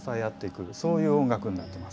そういう音楽になってます。